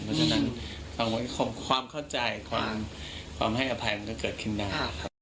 เพราะฉะนั้นความเข้าใจความให้อภัยมันก็เกิดขึ้นได้ครับ